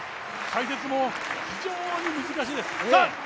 解説も非常に難しいです。